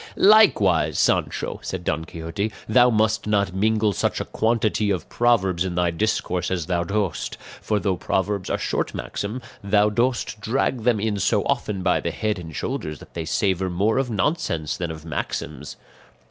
"Likewise, Sancho," said Don Quixote, "thou must not mingle such a quantity of proverbs in thy discourse as thou dost; for though proverbs are short maxims, thou dost drag them in so often by the head and shoulders that they savour more of nonsense than of maxims."